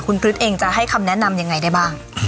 คุณคริสเองจะให้คำแนะนำยังไงได้บ้าง